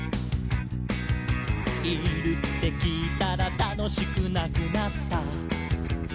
「いるってきいたらたのしくなくなった」